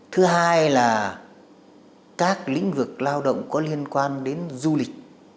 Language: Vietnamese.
thứ hai là các lĩnh vực lao động có liên quan đến du lịch